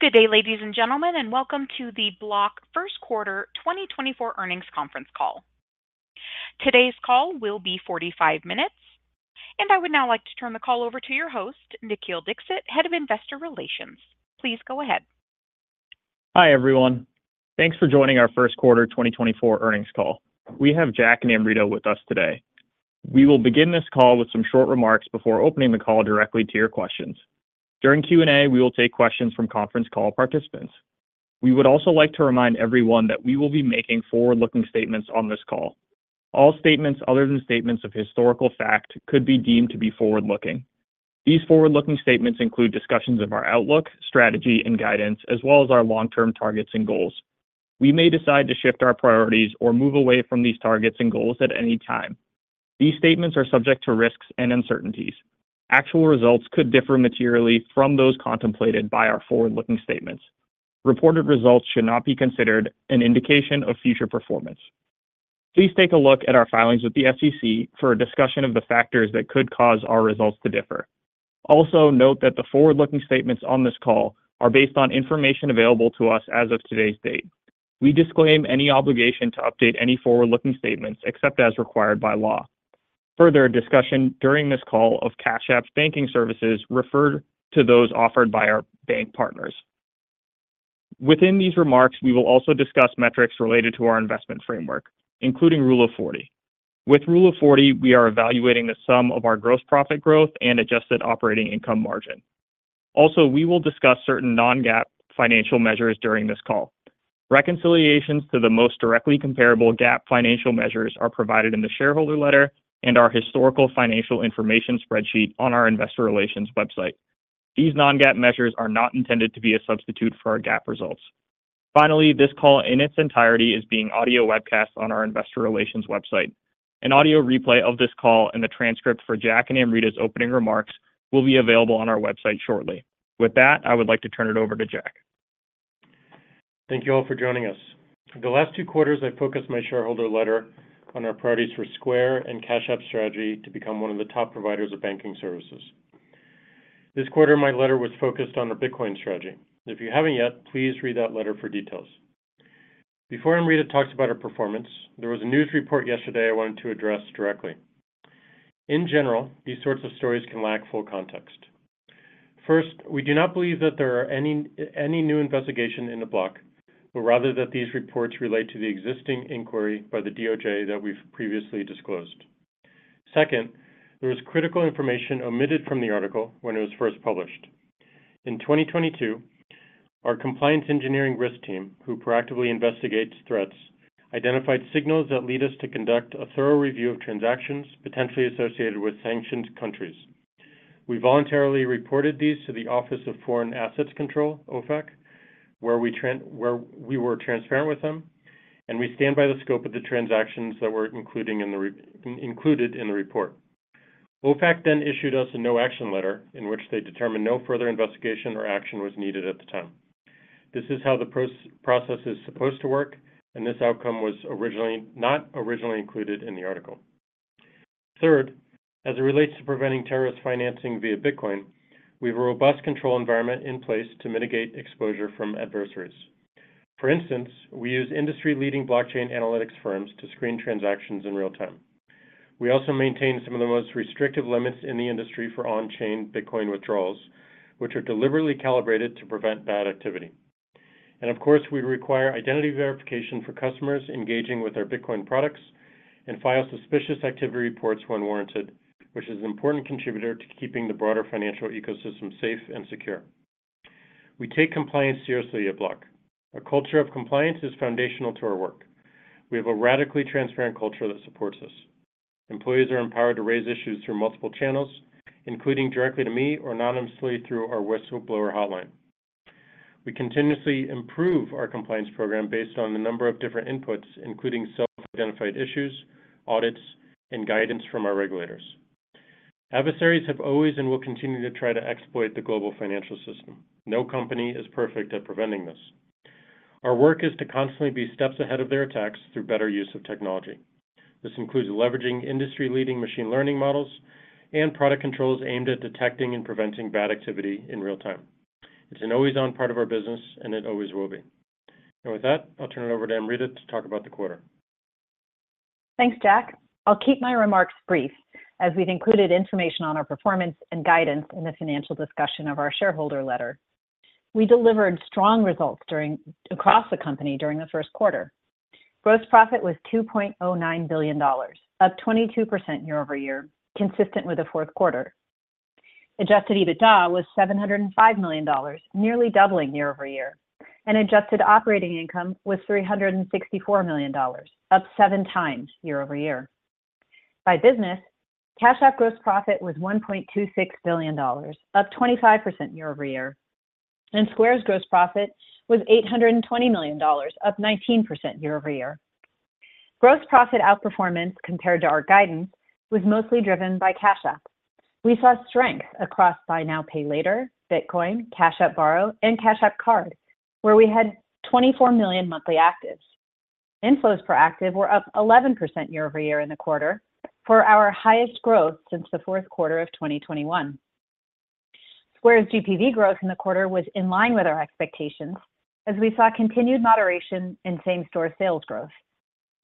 Good day, ladies and gentlemen, and welcome to the Block First Quarter 2024 Earnings Conference Call. Today's call will be 45 minutes, and I would now like to turn the call over to your host, Nikhil Dixit, Head of Investor Relations. Please go ahead. Hi, everyone. Thanks for joining our First Quarter 2024 Earnings Call. We have Jack and Amrita with us today. We will begin this call with some short remarks before opening the call directly to your questions. During Q&A, we will take questions from conference call participants. We would also like to remind everyone that we will be making forward-looking statements on this call. All statements other than statements of historical fact could be deemed to be forward-looking. These forward-looking statements include discussions of our outlook, strategy, and guidance, as well as our long-term targets and goals. We may decide to shift our priorities or move away from these targets and goals at any time. These statements are subject to risks and uncertainties. Actual results could differ materially from those contemplated by our forward-looking statements. Reported results should not be considered an indication of future performance. Please take a look at our filings with the SEC for a discussion of the factors that could cause our results to differ. Also, note that the forward-looking statements on this call are based on information available to us as of today's date. We disclaim any obligation to update any forward-looking statements except as required by law. Further, discussion during this call of Cash App's banking services refer to those offered by our bank partners. Within these remarks, we will also discuss metrics related to our investment framework, including Rule of 40. With Rule of 40, we are evaluating the sum of our gross profit growth and adjusted operating income margin. Also, we will discuss certain non-GAAP financial measures during this call. Reconciliations to the most directly comparable GAAP financial measures are provided in the shareholder letter and our historical financial information spreadsheet on our investor relations website. These non-GAAP measures are not intended to be a substitute for our GAAP results. Finally, this call in its entirety is being audio webcast on our investor relations website. An audio replay of this call and a transcript for Jack and Amrita's opening remarks will be available on our website shortly. With that, I would like to turn it over to Jack. Thank you all for joining us. For the last two quarters, I've focused my shareholder letter on our priorities for Square and Cash App's strategy to become one of the top providers of banking services. This quarter, my letter was focused on our Bitcoin strategy. If you haven't yet, please read that letter for details. Before Amrita talks about our performance, there was a news report yesterday I wanted to address directly. In general, these sorts of stories can lack full context. First, we do not believe that there are any new investigation into Block, but rather that these reports relate to the existing inquiry by the DOJ that we've previously disclosed. Second, there was critical information omitted from the article when it was first published. In 2022, our compliance engineering risk team, who proactively investigates threats, identified signals that lead us to conduct a thorough review of transactions potentially associated with sanctioned countries. We voluntarily reported these to the Office of Foreign Assets Control, OFAC, where we were transparent with them, and we stand by the scope of the transactions that were included in the report. OFAC then issued us a no action letter in which they determined no further investigation or action was needed at the time. This is how the process is supposed to work, and this outcome was not originally included in the article. Third, as it relates to preventing terrorist financing via Bitcoin, we have a robust control environment in place to mitigate exposure from adversaries. For instance, we use industry-leading blockchain analytics firms to screen transactions in real time. We also maintain some of the most restrictive limits in the industry for on-chain Bitcoin withdrawals, which are deliberately calibrated to prevent bad activity. And of course, we require identity verification for customers engaging with our Bitcoin products and file suspicious activity reports when warranted, which is an important contributor to keeping the broader financial ecosystem safe and secure. We take compliance seriously at Block. A culture of compliance is foundational to our work. We have a radically transparent culture that supports us. Employees are empowered to raise issues through multiple channels, including directly to me or anonymously through our whistleblower hotline. We continuously improve our compliance program based on the number of different inputs, including self-identified issues, audits, and guidance from our regulators. Adversaries have always and will continue to try to exploit the global financial system. No company is perfect at preventing this. Our work is to constantly be steps ahead of their attacks through better use of technology. This includes leveraging industry-leading machine learning models and product controls aimed at detecting and preventing bad activity in real time. It's an always-on part of our business, and it always will be. With that, I'll turn it over to Amrita to talk about the quarter. Thanks, Jack. I'll keep my remarks brief, as we've included information on our performance and guidance in the financial discussion of our shareholder letter. We delivered strong results across the company during the first quarter. Gross profit was $2.09 billion, up 22% year-over-year, consistent with the fourth quarter. Adjusted EBITDA was $705 million, nearly doubling year-over-year, and adjusted operating income was $364 million, up 7 times year-over-year. By business, Cash App gross profit was $1.26 billion, up 25% year-over-year, and Square's gross profit was $820 million, up 19% year-over-year. Gross profit outperformance compared to our guidance was mostly driven by Cash App. We saw strength across Buy Now, Pay Later, Bitcoin, Cash App Borrow, and Cash App Card, where we had 24 million monthly actives. Inflows for actives were up 11% year-over-year in the quarter, for our highest growth since the fourth quarter of 2021. Square's GPV growth in the quarter was in line with our expectations, as we saw continued moderation in same-store sales growth.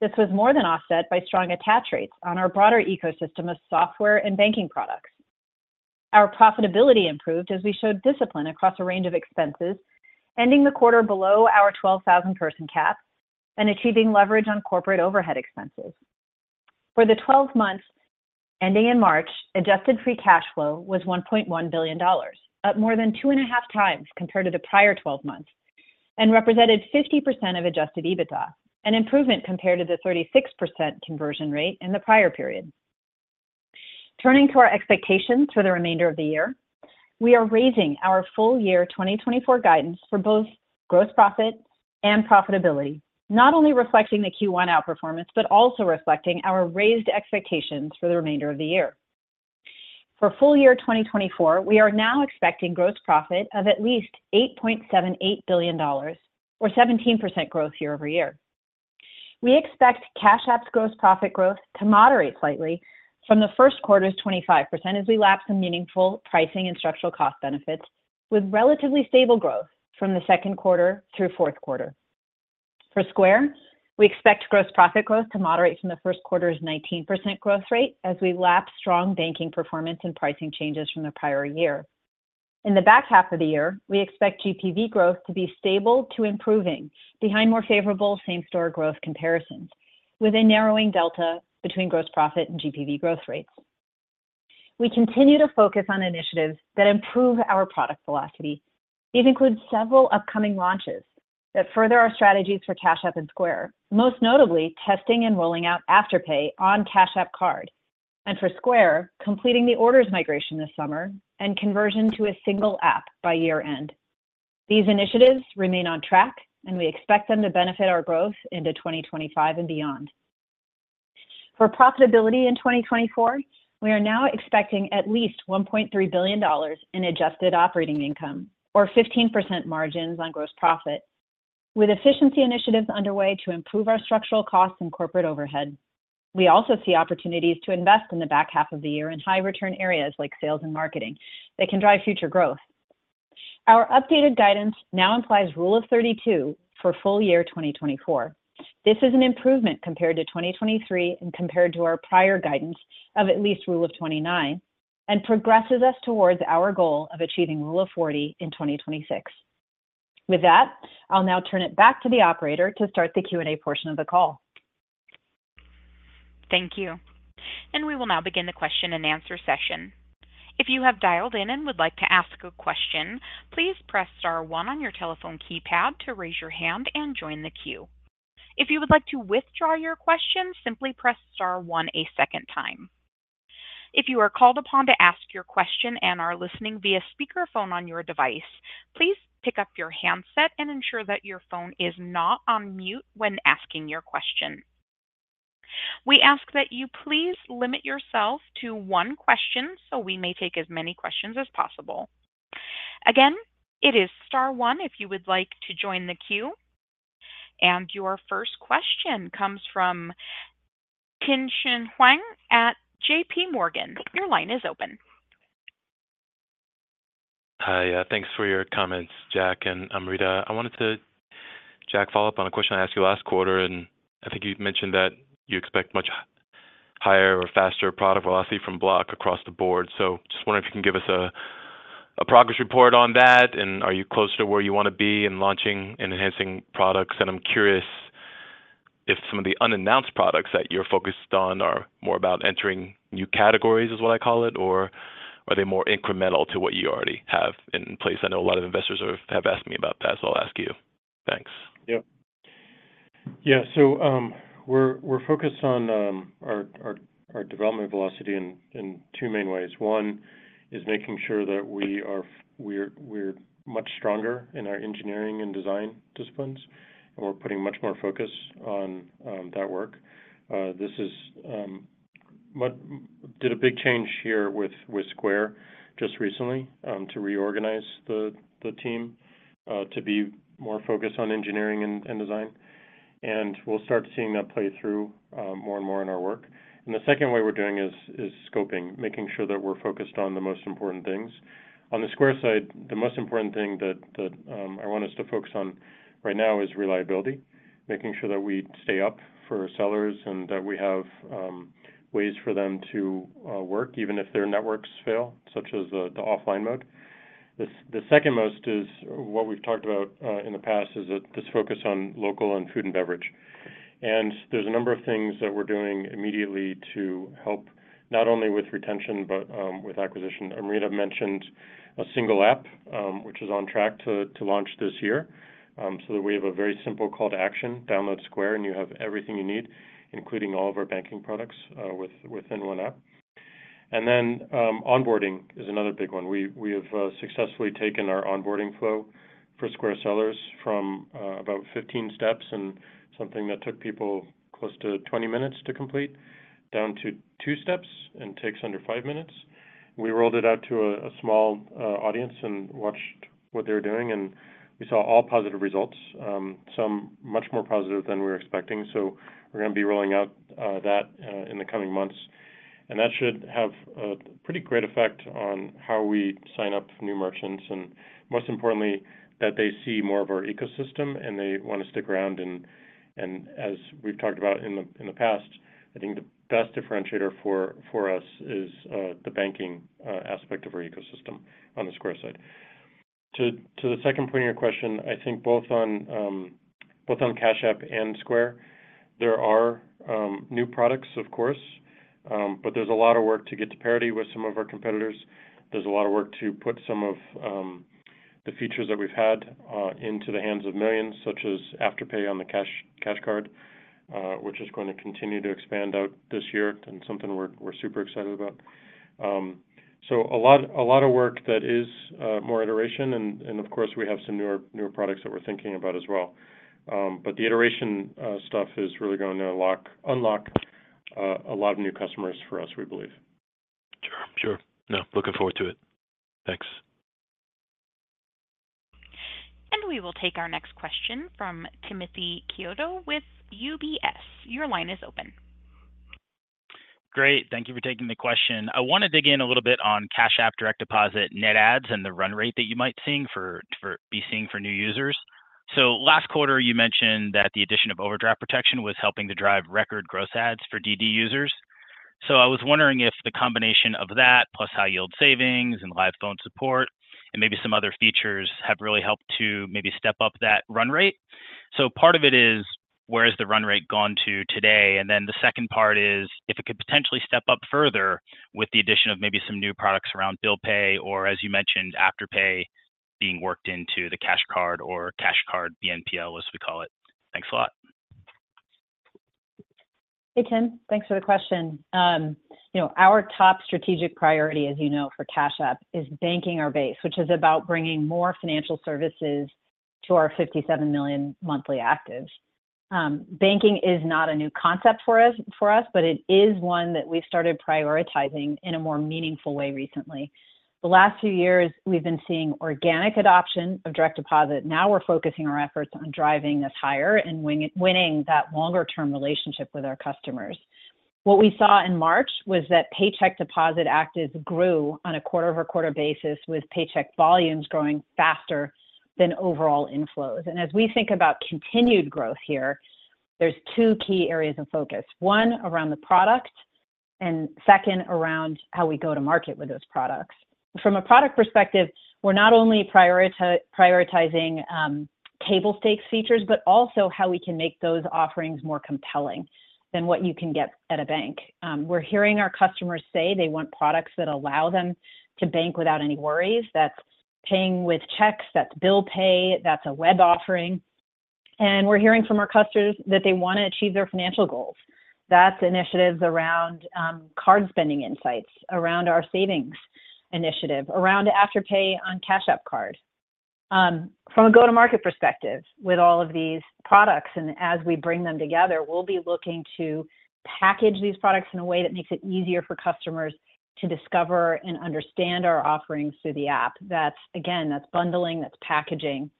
This was more than offset by strong attach rates on our broader ecosystem of software and banking products. Our profitability improved as we showed discipline across a range of expenses, ending the quarter below our 12,000 person cap and achieving leverage on corporate overhead expenses. For the twelve months ending in March, adjusted free cash flow was $1.1 billion, up more than 2.5 times compared to the prior twelve months, and represented 50% of adjusted EBITDA, an improvement compared to the 36% conversion rate in the prior period. Turning to our expectations for the remainder of the year, we are raising our full year 2024 guidance for both gross profit and profitability, not only reflecting the Q1 outperformance, but also reflecting our raised expectations for the remainder of the year. For full year 2024, we are now expecting gross profit of at least $8.78 billion or 17% growth year-over-year. We expect Cash App's gross profit growth to moderate slightly from the first quarter's 25% as we lapse some meaningful pricing and structural cost benefits, with relatively stable growth from the second quarter through fourth quarter. For Square, we expect gross profit growth to moderate from the first quarter's 19% growth rate as we lapse strong banking performance and pricing changes from the prior year. In the back half of the year, we expect GPV growth to be stable to improving behind more favorable same-store growth comparisons, with a narrowing delta between gross profit and GPV growth rates. We continue to focus on initiatives that improve our product velocity. These include several upcoming launches that further our strategies for Cash App and Square, most notably, testing and rolling out Afterpay on Cash App Card, and for Square, completing the Orders migration this summer and conversion to a single app by year-end. These initiatives remain on track, and we expect them to benefit our growth into 2025 and beyond. For profitability in 2024, we are now expecting at least $1.3 billion in adjusted operating income or 15% margins on gross profit, with efficiency initiatives underway to improve our structural costs and corporate overhead. We also see opportunities to invest in the back half of the year in high return areas like sales and marketing that can drive future growth. Our updated guidance now implies Rule of 32 for full year 2024. This is an improvement compared to 2023 and compared to our prior guidance of at least Rule of 29 and progresses us towards our goal of achieving Rule of 40 in 2026. With that, I'll now turn it back to the operator to start the Q&A portion of the call. Thank you. We will now begin the question-and-answer session. If you have dialed in and would like to ask a question, please press star one on your telephone keypad to raise your hand and join the queue. If you would like to withdraw your question, simply press star one a second time. If you are called upon to ask your question and are listening via speakerphone on your device, please pick up your handset and ensure that your phone is not on mute when asking your question. We ask that you please limit yourself to one question, so we may take as many questions as possible. Again, it is star one if you would like to join the queue. Your first question comes from Tien-Tsin Huang at JPMorgan. Your line is open. Hi, thanks for your comments, Jack and Amrita. I wanted to, Jack, follow up on a question I asked you last quarter, and I think you've mentioned that you expect much higher or faster product velocity from Block across the board. So just wondering if you can give us a progress report on that, and are you closer to where you want to be in launching and enhancing products? And I'm curious if some of the unannounced products that you're focused on are more about entering new categories, is what I call it, or are they more incremental to what you already have in place? I know a lot of investors have asked me about that, so I'll ask you. Thanks. Yeah. Yeah, so, we're focused on our development velocity in two main ways. One is making sure that we are much stronger in our engineering and design disciplines, and we're putting much more focus on that work. This was a big change here with Square just recently to reorganize the team to be more focused on engineering and design. And we'll start seeing that play through more and more in our work. And the second way we're doing is scoping, making sure that we're focused on the most important things. On the Square side, the most important thing that I want us to focus on right now is reliability, making sure that we stay up for sellers and that we have ways for them to work even if their networks fail, such as the Offline Mode. The second most is what we've talked about in the past, is that this focus on local and food and beverage. There's a number of things that we're doing immediately to help not only with retention, but with acquisition. Amrita mentioned a single app, which is on track to launch this year, so that we have a very simple call to action, download Square, and you have everything you need, including all of our banking products, within one app. Then, onboarding is another big one. We have successfully taken our onboarding flow for Square sellers from about 15 steps and something that took people close to 20 minutes to complete, down to two steps and takes under five minutes. We rolled it out to a small audience and watched what they were doing, and we saw all positive results, some much more positive than we were expecting. So we're gonna be rolling out that in the coming months, and that should have a pretty great effect on how we sign up new merchants, and most importantly, that they see more of our ecosystem and they want to stick around. And as we've talked about in the past, I think the best differentiator for us is the banking aspect of our ecosystem on the Square side. To the second point of your question, I think both on Cash App and Square, there are new products, of course, but there's a lot of work to get to parity with some of our competitors. There's a lot of work to put some of the features that we've had into the hands of millions, such as Afterpay on the Cash App Card, which is going to continue to expand out this year and something we're super excited about. So a lot of work that is more iteration, and of course, we have some newer products that we're thinking about as well. But the iteration stuff is really going to unlock a lot of new customers for us, we believe. Sure. Sure. No, looking forward to it. Thanks. We will take our next question from Timothy Chiodo with UBS. Your line is open. Great, thank you for taking the question. I want to dig in a little bit on Cash App, Direct Deposit, net adds, and the run rate that you might be seeing for new users. So last quarter, you mentioned that the addition of overdraft protection was helping to drive record gross adds for DD users. So I was wondering if the combination of that, plus high-yield savings and live phone support and maybe some other features, have really helped to maybe step up that run rate? So part of it is, where has the run rate gone to today? And then the second part is, if it could potentially step up further with the addition of maybe some new products around Bill Pay or, as you mentioned, Afterpay being worked into the Cash App Card or Cash App Card, the BNPL, as we call it. Thanks a lot. Hey, Tim. Thanks for the question. You know, our top strategic priority, as you know, for Cash App, is banking our base, which is about bringing more financial services to our 57 million monthly actives. Banking is not a new concept for us, for us, but it is one that we've started prioritizing in a more meaningful way recently. The last few years, we've been seeing organic adoption of Direct Deposit. Now we're focusing our efforts on driving this higher and winning that longer-term relationship with our customers. What we saw in March was that Paycheck Deposit actives grew on a quarter-over-quarter basis, with Paycheck volumes growing faster than overall inflows. And as we think about continued growth here, there's two key areas of focus: one, around the product, and second, around how we go to market with those products. From a product perspective, we're not only prioritizing table stakes features, but also how we can make those offerings more compelling than what you can get at a bank. We're hearing our customers say they want products that allow them to bank without any worries. That's paying with checks, that's Bill Pay, that's a web offering. We're hearing from our customers that they want to achieve their financial goals. That's initiatives around card spending insights, around our savings initiative, around Afterpay on Cash App Card. From a go-to-market perspective, with all of these products, and as we bring them together, we'll be looking to package these products in a way that makes it easier for customers to discover and understand our offerings through the app. That's, again, that's bundling, that's packaging.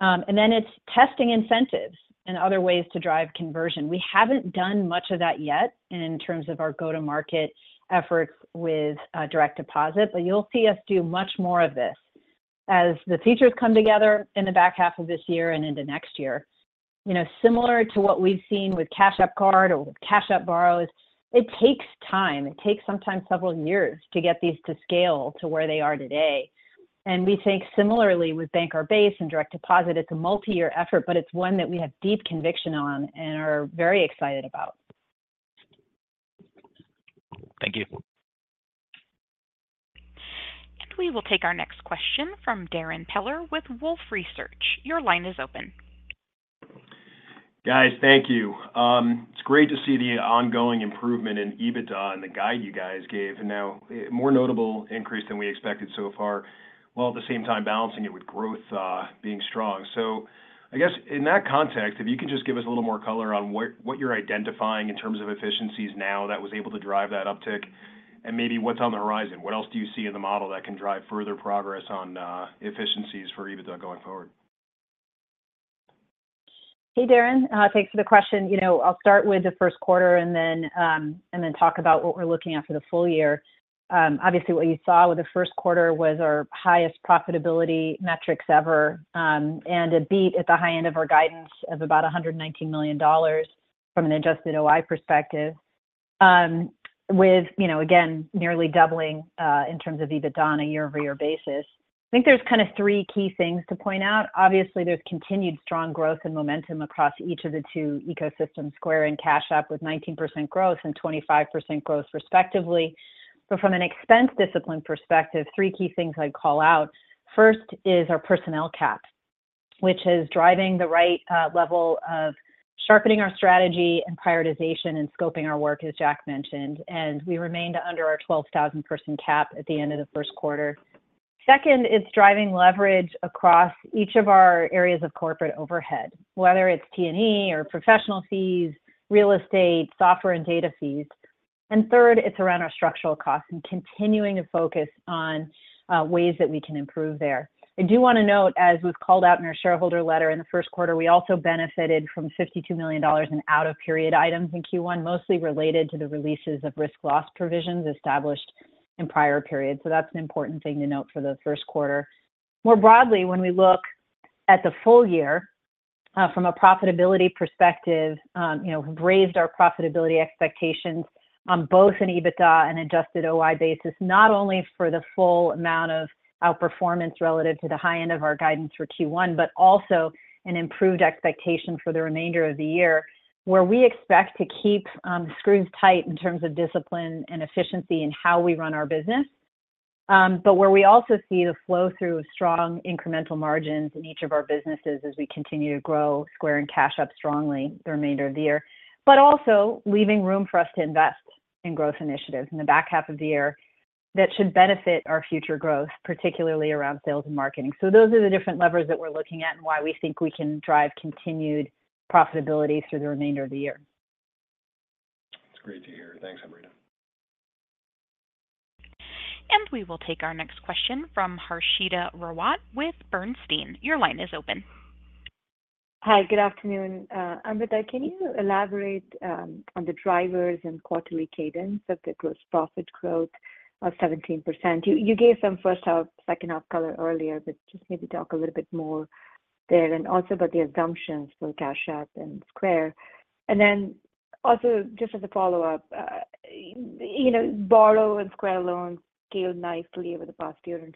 And then it's testing incentives and other ways to drive conversion. We haven't done much of that yet in terms of our go-to-market efforts with Direct Deposit, but you'll see us do much more of this as the features come together in the back half of this year and into next year. You know, similar to what we've seen with Cash App Card or with Cash App Borrow, it takes time. It takes sometimes several years to get these to scale to where they are today. And we think similarly with Bank Our Base and Direct Deposit, it's a multi-year effort, but it's one that we have deep conviction on and are very excited about. Thank you. We will take our next question from Darrin Peller with Wolfe Research. Your line is open. Guys, thank you. It's great to see the ongoing improvement in EBITDA and the guide you guys gave, and now a more notable increase than we expected so far, while at the same time balancing it with growth being strong. So I guess in that context, if you can just give us a little more color on what you're identifying in terms of efficiencies now that was able to drive that uptick, and maybe what's on the horizon? What else do you see in the model that can drive further progress on efficiencies for EBITDA going forward? Hey, Darrin, thanks for the question. You know, I'll start with the first quarter and then talk about what we're looking at for the full year. Obviously, what you saw with the first quarter was our highest profitability metrics ever, and a beat at the high end of our guidance of about $119 million from an adjusted OI perspective, with, you know, again, nearly doubling in terms of EBITDA on a year-over-year basis. I think there's kind of three key things to point out. Obviously, there's continued strong growth and momentum across each of the two ecosystem, Square and Cash App, with 19% growth and 25% growth respectively. But from an expense discipline perspective, three key things I'd call out: First is our personnel cap, which is driving the right level of sharpening our strategy and prioritization and scoping our work, as Jack mentioned, and we remained under our 12,000 person cap at the end of the first quarter. Second is driving leverage across each of our areas of corporate overhead, whether it's T&E or professional fees, real estate, software and data fees.... And third, it's around our structural costs and continuing to focus on ways that we can improve there. I do want to note, as we've called out in our shareholder letter, in the first quarter, we also benefited from $52 million in out-of-period items in Q1, mostly related to the releases of risk loss provisions established in prior periods. So that's an important thing to note for the first quarter. More broadly, when we look at the full year from a profitability perspective, you know, we've raised our profitability expectations on both an EBITDA and adjusted OI basis, not only for the full amount of outperformance relative to the high end of our guidance for Q1, but also an improved expectation for the remainder of the year, where we expect to keep screws tight in terms of discipline and efficiency in how we run our business. But where we also see the flow-through of strong incremental margins in each of our businesses as we continue to grow Square and Cash App strongly the remainder of the year. But also leaving room for us to invest in growth initiatives in the back half of the year that should benefit our future growth, particularly around sales and marketing. Those are the different levers that we're looking at and why we think we can drive continued profitability through the remainder of the year. It's great to hear. Thanks, Amrita. We will take our next question from Harshita Rawat with Bernstein. Your line is open. Hi, good afternoon. Amrita, can you elaborate on the drivers and quarterly cadence of the gross profit growth of 17%? You gave some first half, second half color earlier, but just maybe talk a little bit more there, and also about the assumptions for Cash App and Square. And then also, just as a follow-up, you know, Borrow and Square Loan scaled nicely over the past year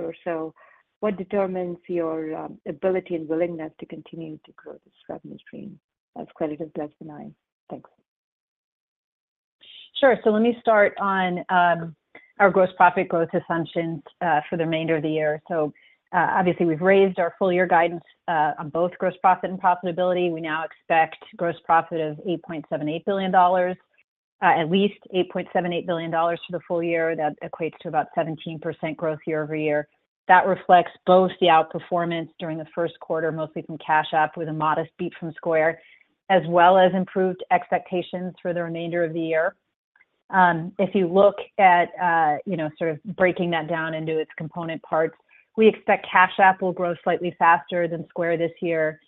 or so. What determines your ability and willingness to continue to grow this revenue stream as credit does deny? Thanks. Sure. So let me start on our gross profit growth assumptions for the remainder of the year. Obviously we've raised our full year guidance on both gross profit and profitability. We now expect gross profit of $8.78 billion, at least $8.78 billion for the full year. That equates to about 17% growth year-over-year. That reflects both the outperformance during the first quarter, mostly from Cash App, with a modest beat from Square, as well as improved expectations for the remainder of the year. If you look at you know, sort of breaking that down into its component parts, we expect Cash App will grow slightly faster than Square this year.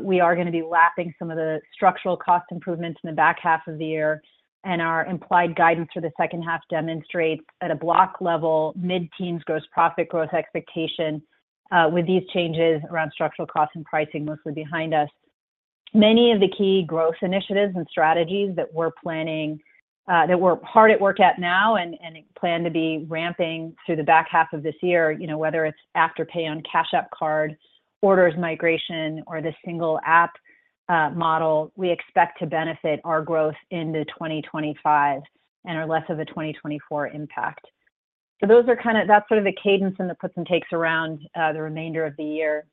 We are going to be lapping some of the structural cost improvements in the back half of the year, and our implied guidance for the second half demonstrates, at a Block level, mid-teens gross profit growth expectation, with these changes around structural costs and pricing mostly behind us. Many of the key growth initiatives and strategies that we're planning, that we're hard at work at now and, and plan to be ramping through the back half of this year, you know, whether it's Afterpay on Cash App Card, Orders migration, or the single app, model, we expect to benefit our growth into 2025 and are less of a 2024 impact. So those are kind of, that's sort of the cadence and the puts and takes around the remainder of the year.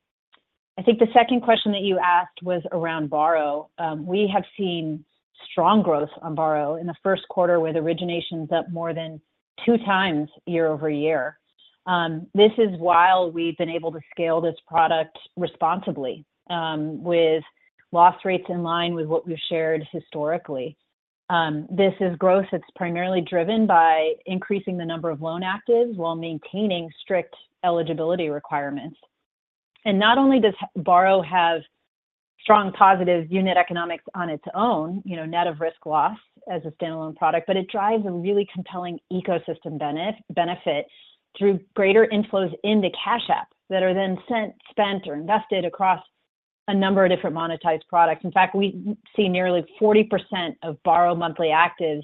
I think the second question that you asked was around Borrow. We have seen strong growth on Borrow in the first quarter, with originations up more than 2x year-over-year. This is while we've been able to scale this product responsibly, with loss rates in line with what we've shared historically. This is growth that's primarily driven by increasing the number of loan actives while maintaining strict eligibility requirements. And not only does Borrow have strong positive unit economics on its own, you know, net of risk loss as a standalone product, but it drives a really compelling ecosystem benefit through greater inflows into Cash App that are then sent, spent, or invested across a number of different monetized products. In fact, we see nearly 40% of Borrow monthly actives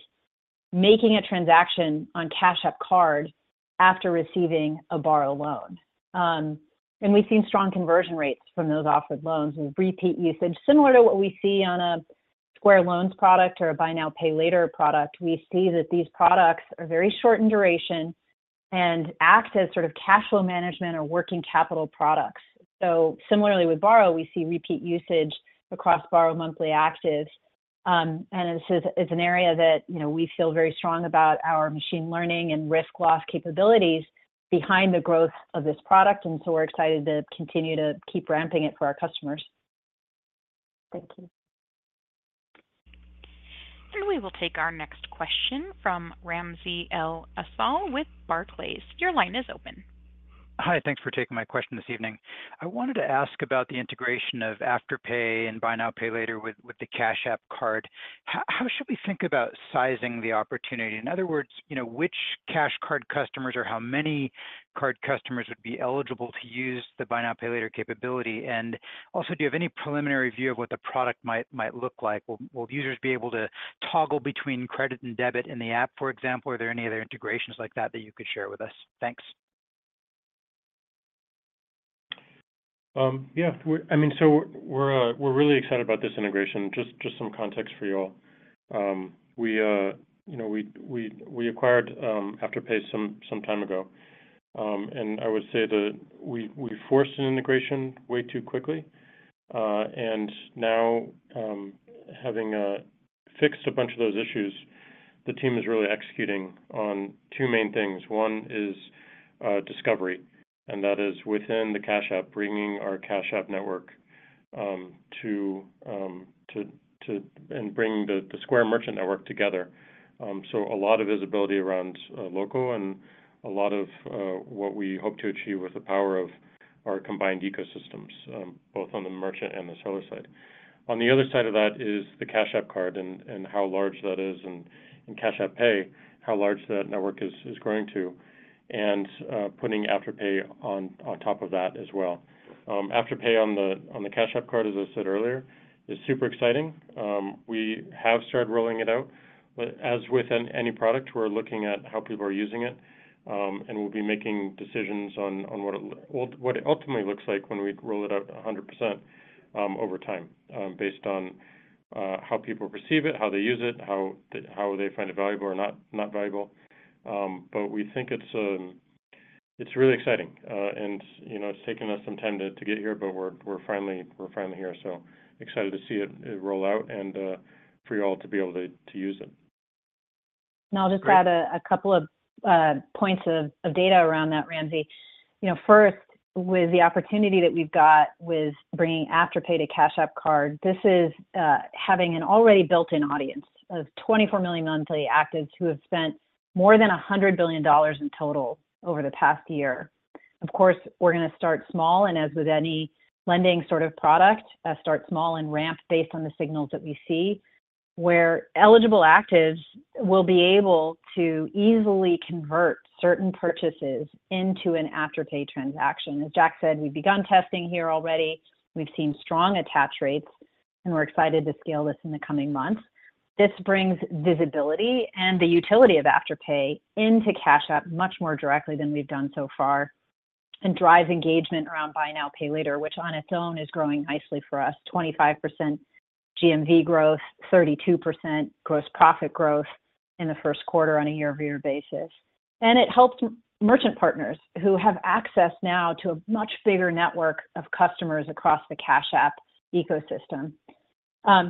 making a transaction on Cash App Card after receiving a Borrow loan. And we've seen strong conversion rates from those offered loans and repeat usage. Similar to what we see on a Square Loans product or a buy now, pay later product, we see that these products are very short in duration and act as sort of cash flow management or working capital products. So similarly with Borrow, we see repeat usage across Borrow Monthly Actives. And this is, it's an area that, you know, we feel very strong about our machine learning and risk loss capabilities behind the growth of this product, and so we're excited to continue to keep ramping it for our customers. Thank you. We will take our next question from Ramsey El-Assal with Barclays. Your line is open. Hi, thanks for taking my question this evening. I wanted to ask about the integration of Afterpay and buy now, pay later with the Cash App Card. How should we think about sizing the opportunity? In other words, you know, which Cash Card customers or how many card customers would be eligible to use the buy now, pay later capability? And also, do you have any preliminary view of what the product might look like? Will users be able to toggle between credit and debit in the app, for example? Are there any other integrations like that that you could share with us? Thanks. Yeah, I mean, so we're really excited about this integration. Just some context for you all. We, you know, we acquired Afterpay some time ago. And I would say that we forced an integration way too quickly, and now, having fixed a bunch of those issues, the team is really executing on two main things. One is discovery, and that is within the Cash App, bringing our Cash App network to and bring the Square merchant network together. So a lot of visibility around local and a lot of what we hope to achieve with the power of our combined ecosystems, both on the merchant and the seller side. On the other side of that is the Cash App Card and how large that is, and Cash App Pay, how large that network is, is growing to, and putting Afterpay on top of that as well. Afterpay on the Cash App Card, as I said earlier, is super exciting. We have started rolling it out, but as with any product, we're looking at how people are using it, and we'll be making decisions on what it ultimately looks like when we roll it out a hundred percent, over time, based on how people perceive it, how they use it, how they find it valuable or not valuable. But we think it's really exciting. You know, it's taken us some time to get here, but we're finally here, so excited to see it roll out and for you all to be able to use it. And I'll just add a couple of points of data around that, Ramsey. You know, first, with the opportunity that we've got with bringing Afterpay to Cash App Card, this is having an already built-in audience of 24 million monthly actives who have spent more than $100 billion in total over the past year. Of course, we're going to start small, and as with any lending sort of product, start small and ramp based on the signals that we see, where eligible actives will be able to easily convert certain purchases into an Afterpay transaction. As Jack said, we've begun testing here already. We've seen strong attach rates, and we're excited to scale this in the coming months. This brings visibility and the utility of Afterpay into Cash App much more directly than we've done so far and drives engagement around buy now, pay later, which on its own is growing nicely for us. 25% GMV growth, 32% gross profit growth in the first quarter on a year-over-year basis. And it helps merchant partners who have access now to a much bigger network of customers across the Cash App ecosystem.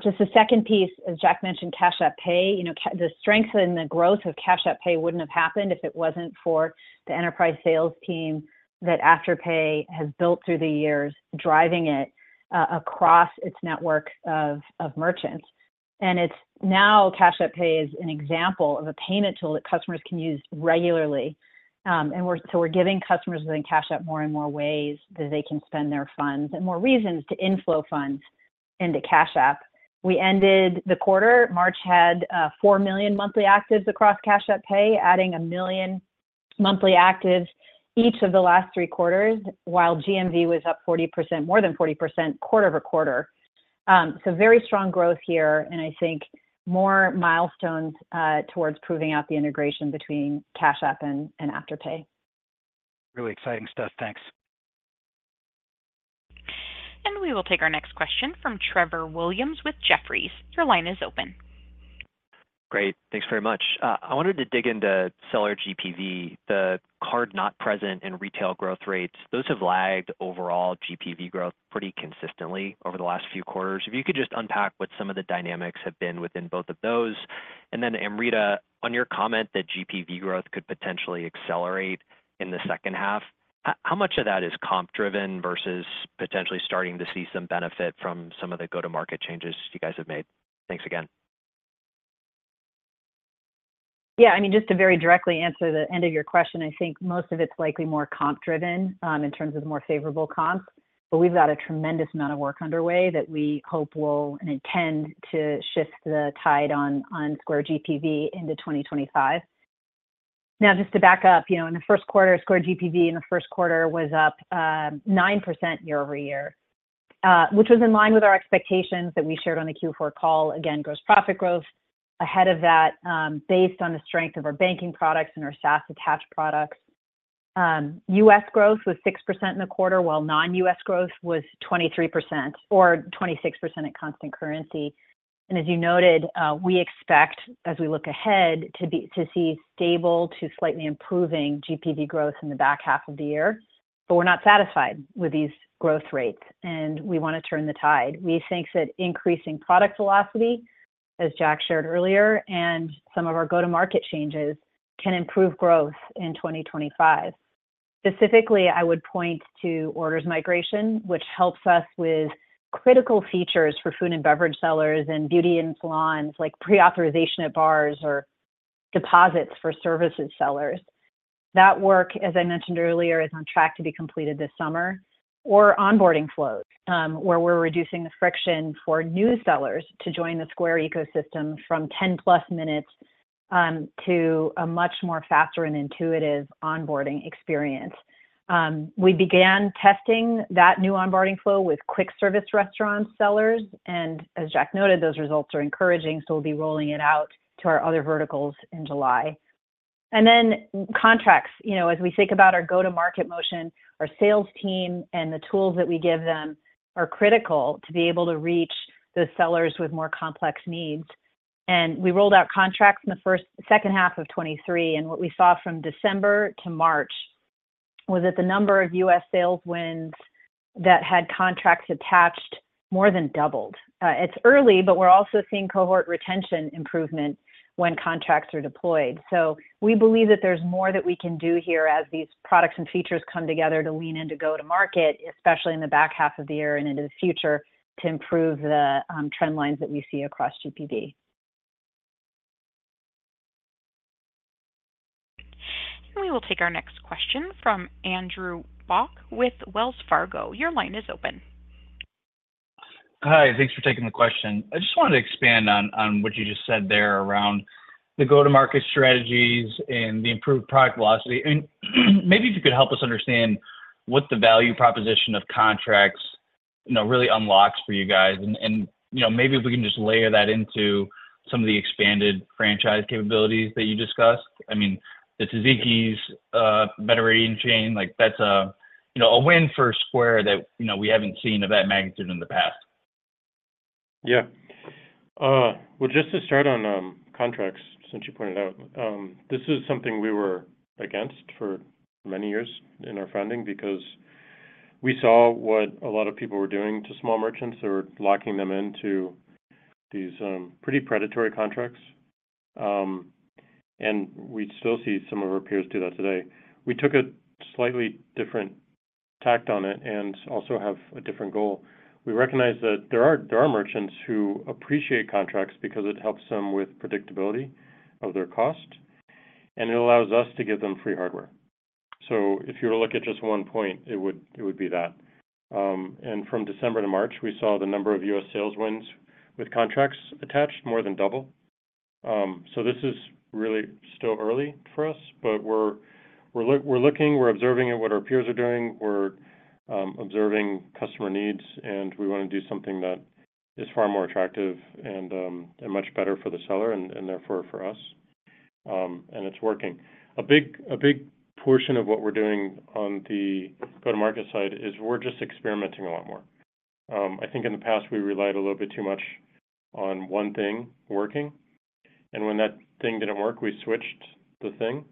Just a second piece, as Jack mentioned, Cash App Pay, you know, the strength and the growth of Cash App Pay wouldn't have happened if it wasn't for the enterprise sales team that Afterpay has built through the years, driving it, across its network of merchants. And it's now Cash App Pay is an example of a payment tool that customers can use regularly. So we're giving customers within Cash App more and more ways that they can spend their funds and more reasons to inflow funds into Cash App. We ended the quarter, March had four million monthly actives across Cash App Pay, adding a million monthly actives each of the last three quarters, while GMV was up 40%, more than 40% quarter-over-quarter. So very strong growth here, and I think more milestones towards proving out the integration between Cash App and Afterpay. Really exciting stuff. Thanks. We will take our next question from Trevor Williams with Jefferies. Your line is open. Great. Thanks very much. I wanted to dig into seller GPV, the card not present in retail growth rates. Those have lagged overall GPV growth pretty consistently over the last few quarters. If you could just unpack what some of the dynamics have been within both of those. And then, Amrita, on your comment that GPV growth could potentially accelerate in the second half, how much of that is comp-driven versus potentially starting to see some benefit from some of the go-to-market changes you guys have made? Thanks again. Yeah, I mean, just to very directly answer the end of your question, I think most of it's likely more comp-driven, in terms of more favorable comps, but we've got a tremendous amount of work underway that we hope will and intend to shift the tide on, on Square GPV into 2025. Now, just to back up, you know, in the first quarter, Square GPV in the first quarter was up, 9% year-over-year, which was in line with our expectations that we shared on the Q4 call. Again, gross profit growth ahead of that, based on the strength of our banking products and our SaaS attached products. U.S. growth was 6% in the quarter, while non-U.S. growth was 23% or 26% at constant currency. As you noted, we expect, as we look ahead, to be, to see stable to slightly improving GPV growth in the back half of the year. But we're not satisfied with these growth rates, and we want to turn the tide. We think that increasing product velocity, as Jack shared earlier, and some of our go-to-market changes, can improve growth in 2025. Specifically, I would point to Orders migration, which helps us with critical features for food and beverage sellers and beauty and salons, like pre-authorization at bars or deposits for services sellers. That work, as I mentioned earlier, is on track to be completed this summer, or onboarding flows, where we're reducing the friction for new sellers to join the Square ecosystem from 10+ minutes, to a much more faster and intuitive onboarding experience. We began testing that new onboarding flow with quick service restaurant sellers, and as Jack noted, those results are encouraging, so we'll be rolling it out to our other verticals in July. And then contracts. You know, as we think about our go-to-market motion, our sales team and the tools that we give them are critical to be able to reach the sellers with more complex needs. And we rolled out contracts in the second half of 2023, and what we saw from December to March was that the number of U.S. sales wins that had contracts attached more than doubled. It's early, but we're also seeing cohort retention improvement when contracts are deployed. So we believe that there's more that we can do here as these products and features come together to lean in to go to market, especially in the back half of the year and into the future, to improve the trend lines that we see across GPV. We will take our next question from Andrew Bauch with Wells Fargo. Your line is open. Hi, thanks for taking the question. I just wanted to expand on what you just said there around the go-to-market strategies and the improved product velocity. And maybe if you could help us understand what the value proposition of contracts, you know, really unlocks for you guys. And, you know, maybe if we can just layer that into some of the expanded franchise capabilities that you discussed. I mean, the Taziki's better eating chain, like that's a, you know, a win for Square that, you know, we haven't seen of that magnitude in the past. Yeah. Well, just to start on contracts, since you pointed out, this is something we were against for many years in our founding because we saw what a lot of people were doing to small merchants. They were locking them into these pretty predatory contracts, and we still see some of our peers do that today. We took a slightly different tack on it and also have a different goal. We recognize that there are--there are merchants who appreciate contracts because it helps them with predictability of their cost, and it allows us to give them free hardware. So if you were to look at just one point, it would, it would be that. And from December to March, we saw the number of U.S. sales wins with contracts attached more than double. So this is really still early for us, but we're looking at what our peers are doing, we're observing customer needs, and we want to do something that is far more attractive and much better for the seller and therefore for us. And it's working. A big portion of what we're doing on the go-to-market side is we're just experimenting a lot more. I think in the past, we relied a little bit too much on one thing working, and when that thing didn't work, we switched the thing.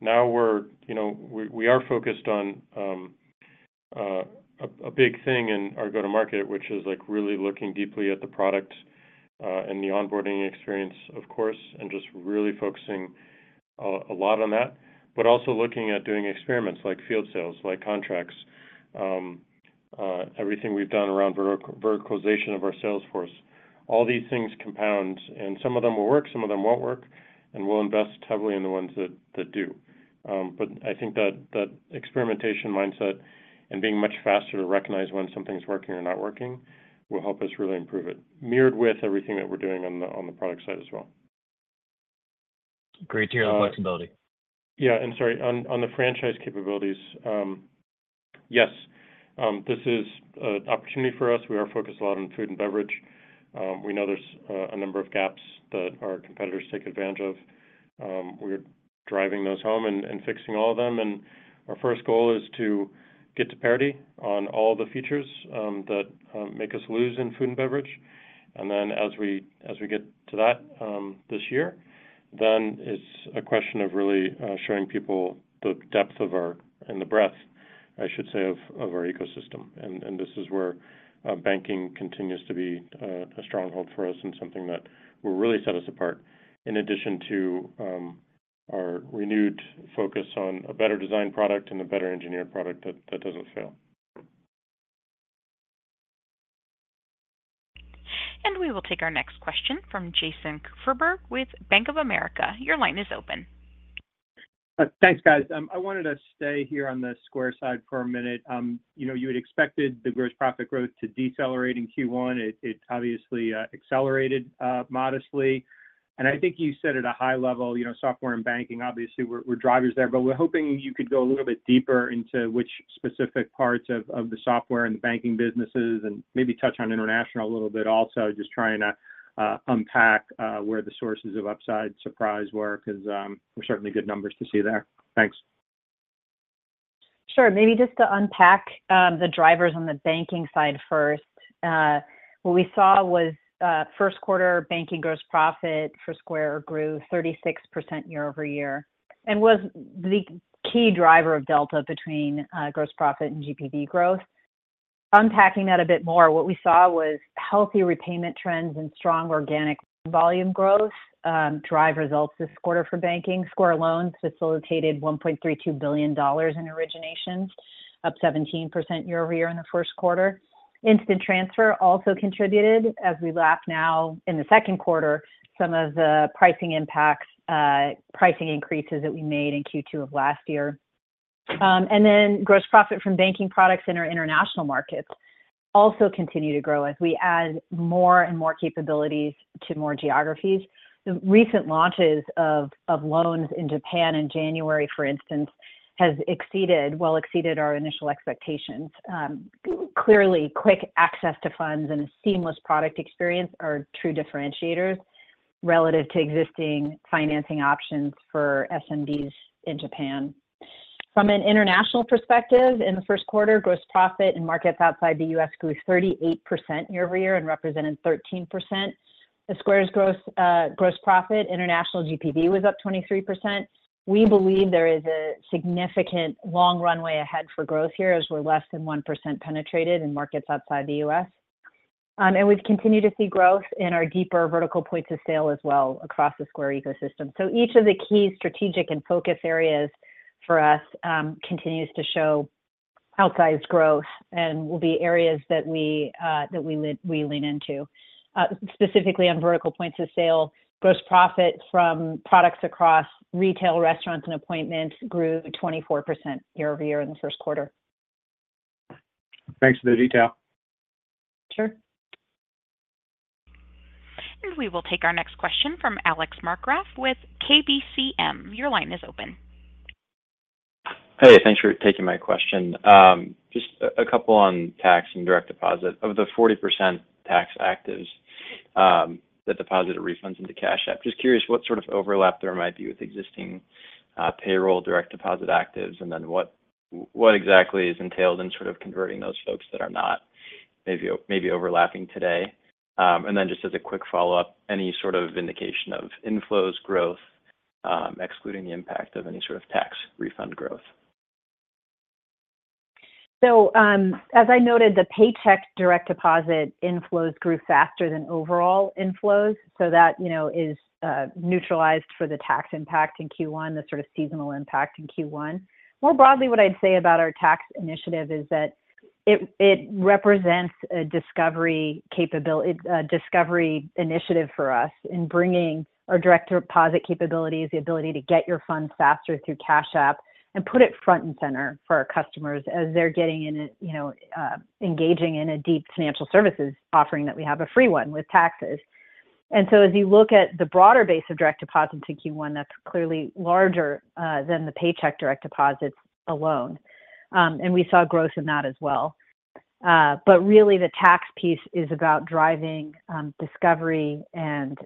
Now we're, you know, we are focused on a big thing in our go-to-market, which is, like, really looking deeply at the product, and the onboarding experience, of course, and just really focusing a lot on that, but also looking at doing experiments like field sales, like contracts, everything we've done around verticalization of our sales force. All these things compound, and some of them will work, some of them won't work, and we'll invest heavily in the ones that do. But I think that experimentation mindset and being much faster to recognize when something's working or not working will help us really improve it, mirrored with everything that we're doing on the product side as well. Great to hear the flexibility. Yeah, and sorry, on the franchise capabilities, yes, this is an opportunity for us. We are focused a lot on food and beverage. We know there's a number of gaps that our competitors take advantage of. We're driving those home and fixing all of them, and our first goal is to get to parity on all the features that make us lose in food and beverage. And then as we get to that this year, then it's a question of really showing people the depth of our. and the breadth, I should say, of our ecosystem. And this is where banking continues to be a stronghold for us and something that will really set us apart, in addition to our renewed focus on a better design product and a better engineered product that doesn't fail. We will take our next question from Jason Kupferberg with Bank of America. Your line is open. Thanks, guys. I wanted to stay here on the Square side for a minute. You know, you had expected the gross profit growth to decelerate in Q1. It obviously accelerated modestly. And I think you said at a high level, you know, software and banking, obviously, were drivers there. But we're hoping you could go a little bit deeper into which specific parts of the software and the banking businesses and maybe touch on international a little bit also, just trying to unpack where the sources of upside surprise were, 'cause they're certainly good numbers to see there. Thanks. Sure. Maybe just to unpack, the drivers on the banking side first. What we saw was, first quarter banking gross profit for Square grew 36% year-over-year and was the key driver of delta between, gross profit and GPV growth. Unpacking that a bit more, what we saw was healthy repayment trends and strong organic volume growth, drive results this quarter for banking. Square Loans facilitated $1.32 billion in originations, up 17% year-over-year in the first quarter. Instant Transfer also contributed as we lap now in the second quarter, some of the pricing impacts, pricing increases that we made in Q2 of last year. And then gross profit from banking products in our international markets also continue to grow as we add more and more capabilities to more geographies. The recent launches of loans in Japan in January, for instance, has well exceeded our initial expectations. Clearly, quick access to funds and a seamless product experience are true differentiators relative to existing financing options for SMBs in Japan. From an international perspective, in the first quarter, gross profit in markets outside the U.S. grew 38% year-over-year and represented 13%. Square's gross profit, international GPV was up 23%. We believe there is a significant long runway ahead for growth here, as we're less than 1% penetrated in markets outside the U.S. And we've continued to see growth in our deeper vertical points of sale as well across the Square ecosystem. So each of the key strategic and focus areas for us continues to show outsized growth and will be areas that we lean into. Specifically on vertical points of sale, gross profit from products across Retail, Restaurants, and Appointments grew 24% year-over-year in the first quarter. Thanks for the detail. Sure. We will take our next question from Alex Markgraff with KBCM. Your line is open. Hey, thanks for taking my question. Just a couple on tax and direct deposit. Of the 40% tax actives that deposited refunds into Cash App, just curious what sort of overlap there might be with existing payroll direct deposit actives? And then what exactly is entailed in sort of converting those folks that are not maybe overlapping today? And then just as a quick follow-up, any sort of indication of inflows growth, excluding the impact of any sort of tax refund growth? So, as I noted, the paycheck direct deposit inflows grew faster than overall inflows, so that, you know, is neutralized for the tax impact in Q1, the sort of seasonal impact in Q1. More broadly, what I'd say about our tax initiative is that it represents a discovery initiative for us in bringing our direct deposit capabilities, the ability to get your funds faster through Cash App, and put it front and center for our customers as they're, you know, engaging in a deep financial services offering that we have, a free one, with taxes. And so as you look at the broader base of direct deposits in Q1, that's clearly larger than the paycheck direct deposits alone. And we saw growth in that as well. But really, the tax piece is about driving discovery and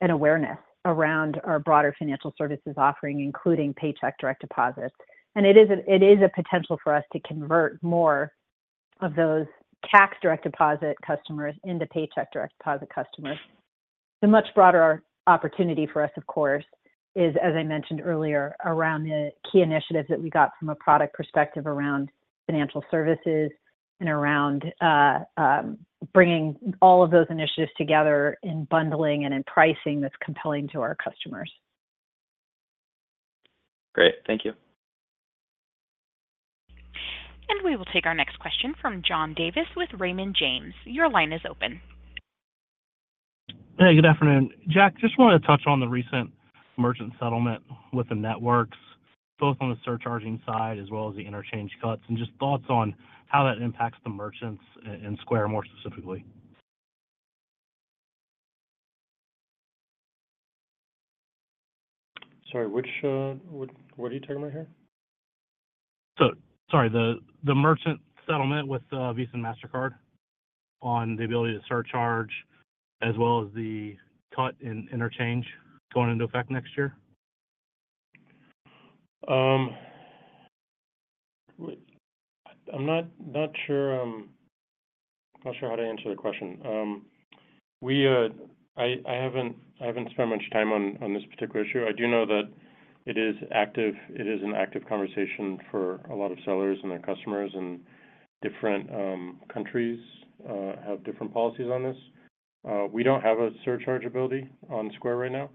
awareness around our broader financial services offering, including paycheck direct deposits. And it is a potential for us to convert more of those tax direct deposit customers into paycheck direct deposit customers. The much broader opportunity for us, of course, is, as I mentioned earlier, around the key initiatives that we got from a product perspective around financial services and around bringing all of those initiatives together in bundling and in pricing that's compelling to our customers. Great. Thank you. We will take our next question from John Davis with Raymond James. Your line is open. Hey, good afternoon. Jack, just wanted to touch on the recent merchant settlement with the networks, both on the surcharging side as well as the interchange cuts, and just thoughts on how that impacts the merchants and Square more specifically? Sorry, which, what, what are you talking about here? Sorry, the merchant settlement with Visa and Mastercard on the ability to surcharge, as well as the cut in interchange going into effect next year. I'm not sure how to answer the question. I haven't spent much time on this particular issue. I do know that it is an active conversation for a lot of sellers and their customers, and different countries have different policies on this. We don't have a surcharge ability on Square right now.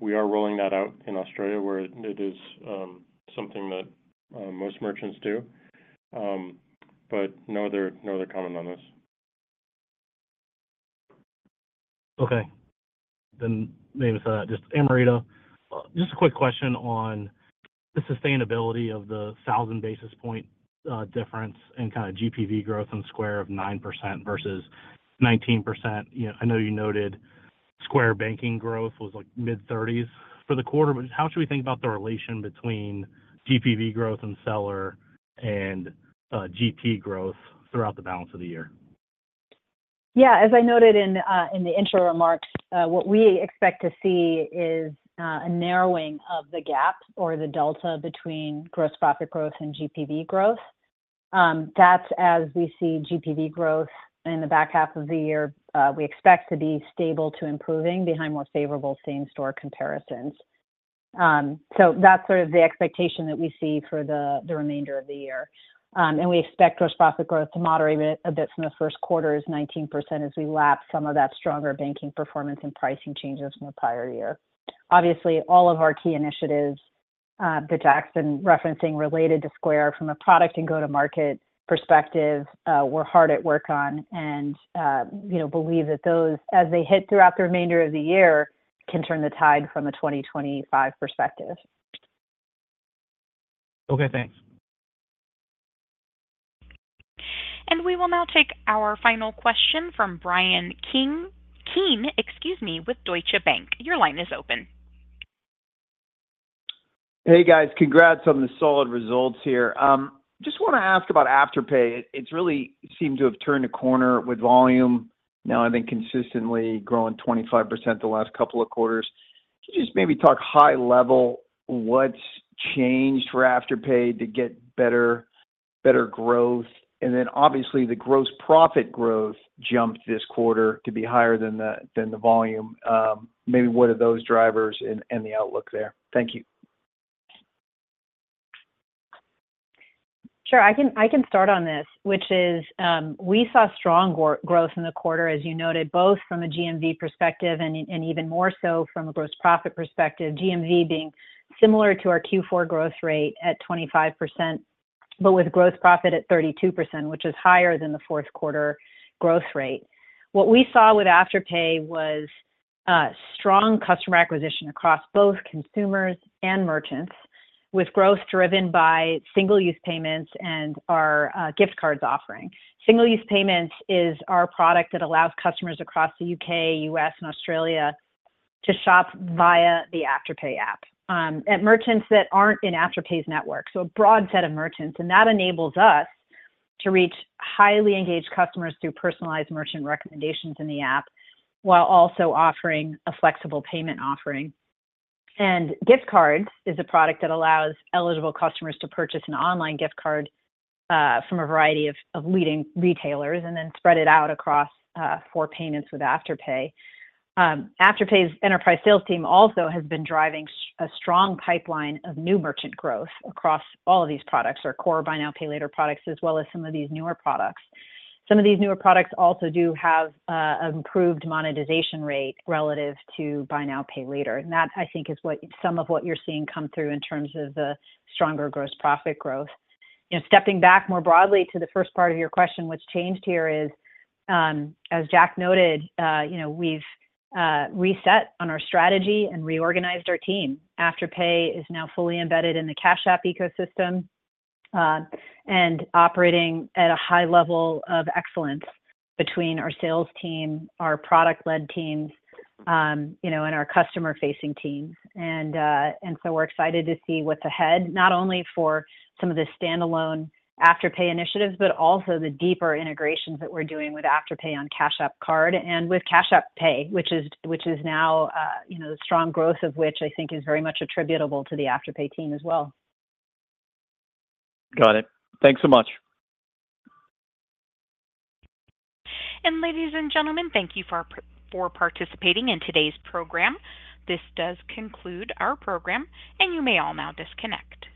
We are rolling that out in Australia, where it is something that most merchants do. But no other comment on this. Okay. Then maybe it's just Amrita. Just a quick question on the sustainability of the 1,000 basis point difference in kind of GPV growth in Square of 9% versus 19%. You know, I know you noted Square banking growth was like mid-30s for the quarter, but how should we think about the relation between GPV growth and seller and GP growth throughout the balance of the year? Yeah, as I noted in the intro remarks, what we expect to see is a narrowing of the gap or the delta between gross profit growth and GPV growth. That's as we see GPV growth in the back half of the year, we expect to be stable to improving behind more favorable same store comparisons. So that's sort of the expectation that we see for the remainder of the year. And we expect gross profit growth to moderate a bit from the first quarter's 19% as we lap some of that stronger banking performance and pricing changes from the prior year. Obviously, all of our key initiatives, that Jack's been referencing related to Square from a product and go-to-market perspective, we're hard at work on and, you know, believe that those, as they hit throughout the remainder of the year, can turn the tide from a 2025 perspective. Okay, thanks. We will now take our final question from Bryan Keane with Deutsche Bank. Your line is open. Hey, guys. Congrats on the solid results here. Just wanna ask about Afterpay. It's really seemed to have turned a corner with volume, now, I think, consistently growing 25% the last couple of quarters. Can you just maybe talk high level, what's changed for Afterpay to get better, better growth? And then obviously, the gross profit growth jumped this quarter to be higher than the, than the volume. Maybe what are those drivers and, and the outlook there? Thank you. Sure. I can, I can start on this, which is, we saw strong growth in the quarter, as you noted, both from a GMV perspective and even more so from a gross profit perspective, GMV being similar to our Q4 growth rate at 25%. but with gross profit at 32%, which is higher than the fourth quarter growth rate. What we saw with Afterpay was strong customer acquisition across both consumers and merchants, with growth driven by single-use payments and our gift cards offering. Single-use payments is our product that allows customers across the U.K., U.S., and Australia to shop via the Afterpay app at merchants that aren't in Afterpay's network. So a broad set of merchants, and that enables us to reach highly engaged customers through personalized merchant recommendations in the app, while also offering a flexible payment offering. Gift cards is a product that allows eligible customers to purchase an online gift card from a variety of leading retailers, and then spread it out across four payments with Afterpay. Afterpay's enterprise sales team also has been driving a strong pipeline of new merchant growth across all of these products, our core buy now, pay later products, as well as some of these newer products. Some of these newer products also do have improved monetization rate relative to buy now, pay later. And that, I think, is what some of what you're seeing come through in terms of the stronger gross profit growth. You know, stepping back more broadly to the first part of your question, what's changed here is, as Jack noted, you know, we've reset on our strategy and reorganized our team. Afterpay is now fully embedded in the Cash App ecosystem, and operating at a high level of excellence between our sales team, our product-led teams, you know, and our customer-facing teams. And so we're excited to see what's ahead, not only for some of the standalone Afterpay initiatives, but also the deeper integrations that we're doing with Afterpay on Cash App Card and with Cash App Pay, which is now, you know, the strong growth of which I think is very much attributable to the Afterpay team as well. Got it. Thanks so much. Ladies and gentlemen, thank you for participating in today's program. This does conclude our program, and you may all now disconnect.